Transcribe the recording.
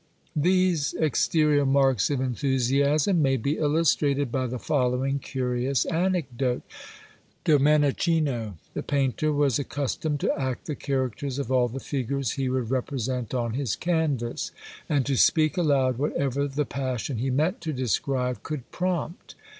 These exterior marks of enthusiasm may be illustrated by the following curious anecdote: Domenichino, the painter, was accustomed to act the characters of all the figures he would represent on his canvas, and to speak aloud whatever the passion he meant to describe could prompt.